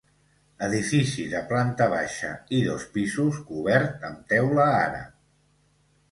Edifici de planta baixa i dos pisos cobert amb teula àrab.